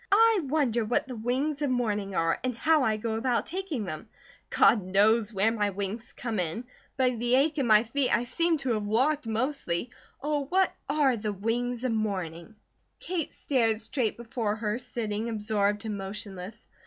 I wonder what the wings of morning are, and how I go about taking them. God knows where my wings come in; by the ache in my feet I seem to have walked, mostly. Oh, what ARE the wings of morning?" Kate stared straight before her, sitting absorbed and motionless.